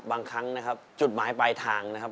บางครั้งนะครับจุดหมายปลายทางนะครับ